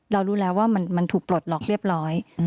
เรารู้แล้วว่ามันมันถูกปลดหลอกเรียบร้อยอืม